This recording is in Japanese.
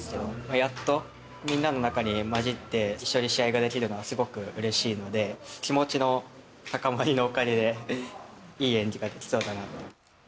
やっと、みんなの中に交じって一緒に試合ができるのはすごくうれしいので、気持ちの高まりのおかげでいい演技ができそうだなと。